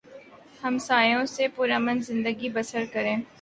ہمسایوں سے پر امن زندگی بسر کریں